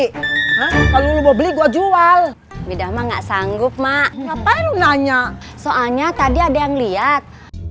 kalau mau beli gua jual beda ma nggak sanggup mak ngapain nanya soalnya tadi ada yang lihat